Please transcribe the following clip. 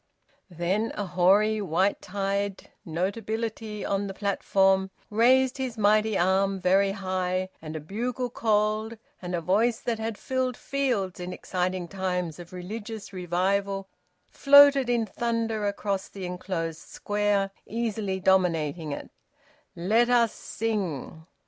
Then a hoary white tied notability on the platform raised his might arm very high, and a bugle called, and a voice that had filled fields in exciting times of religious revival floated in thunder across the enclosed Square, easily dominating it "Let us sing."